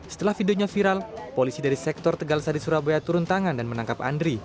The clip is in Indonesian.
setelah videonya viral polisi dari sektor tegal sari surabaya turun tangan dan menangkap andri